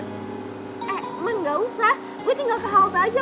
eh man gausah gue tinggal ke halte aja